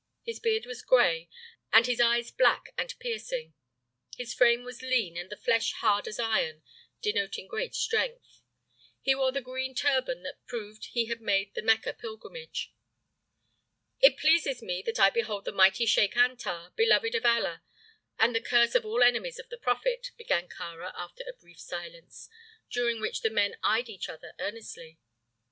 His beard was gray and his eyes black and piercing. His frame was lean and the flesh hard as iron, denoting great strength. He wore the green turban that proved he had made the Mecca pilgrimage. "It pleases me that I behold the mighty Sheik Antar, beloved of Allah, and the curse of all enemies of the prophet," began Kāra after a brief silence, during which the men eyed each other earnestly.